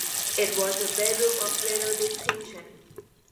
It was a bedroom of little distinction.